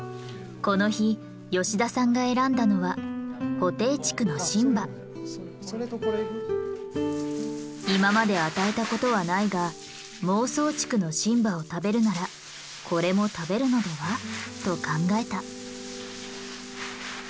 この日吉田さんが選んだのは今まで与えたことはないが孟宗竹の新葉を食べるならこれも食べるのでは？と考えた。